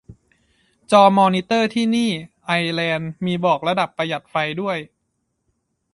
จอมอนิเตอร์ที่นี่ ไอร์แลนด์ มีบอกระดับประหยัดไฟด้วย